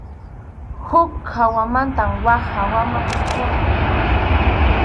Huk hawamanta wak hawaman hurquy.